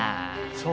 そう？